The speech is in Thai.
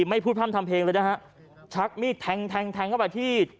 ไม่พูดพร่ำทำเพลงเลยนะฮะชักมีดแทงแทงแทงเข้าไปที่